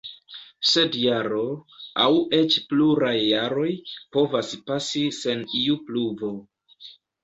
Sed jaro, aŭ eĉ pluraj jaroj, povas pasi sen iu pluvo.